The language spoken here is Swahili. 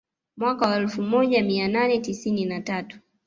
Mwaka wa elfu moja mia nane tisini na tatu